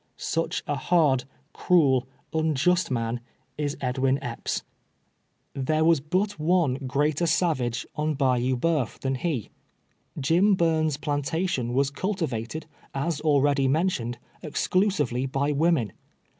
Such a hard, cruel, unjust man is Edwin Epps. There was but one greater savage on Bayou Ba uf than he. Jim Burns' plantation was cultivated, as already mentioned, exclusively by women.